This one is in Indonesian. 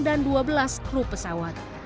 dan dua belas kru pesawat